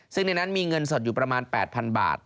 ซึ่งในนั้นมีเงินสดอยู่ประมาณ๘๐๐๐บาท